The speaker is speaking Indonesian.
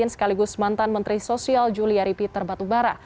sekaligus mantan menteri sosial julia ripi terbatubara